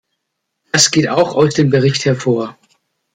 Das geht auch aus dem Bericht hervor.